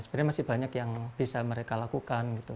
sebenarnya masih banyak yang bisa mereka lakukan gitu